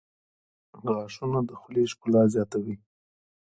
• غاښونه د خولې ښکلا زیاتوي.